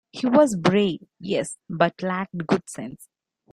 He was brave, yes, but lacked good sense.